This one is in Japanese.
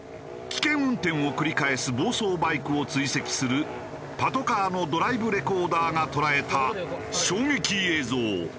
危険運転を繰り返す暴走バイクを追跡するパトカーのドライブレコーダーが捉えた衝撃映像。